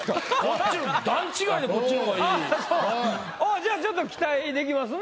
じゃあちょっと期待できますね。